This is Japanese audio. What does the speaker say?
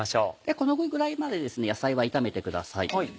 このぐらいまで野菜は炒めてください。